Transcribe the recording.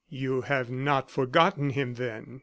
"You have not forgotten him, then?"